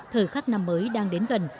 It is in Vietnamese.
thời khắc năm mới đang đến gần